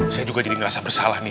saya juga jadi ngerasa bersalah nih